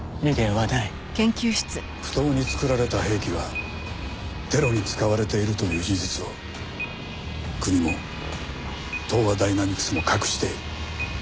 不当に作られた兵器がテロに使われているという事実を国も東亜ダイナミクスも隠している。